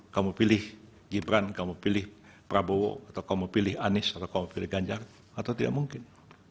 kamu pilih gibran kamu pilih prabowo atau kamu pilih anies atau kamu pilih ganjar atau tidak mungkin